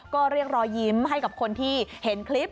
ก็เรียกรอยยิ้มให้กับคนที่เห็นคลิป